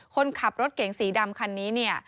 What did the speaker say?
คนขับรถเก๋งสีดำคันนี้